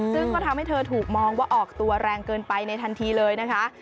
ซึ่งก็ทำให้เธอถูกมองว่าออกตัวแรงเกินไปในทันทีเลยนะคะ